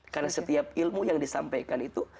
karena setiap ilmu yang disampaikan itu